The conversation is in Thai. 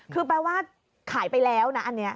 คือแปลว่าขายไปแล้วนะอันนี้